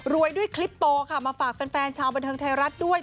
ด้วยคลิปโตค่ะมาฝากแฟนชาวบันเทิงไทยรัฐด้วย